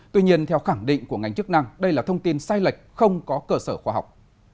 tuy nhiên theo khẳng định của ngành chức năng đây là thông tin sai lệch không có cơ sở khoa học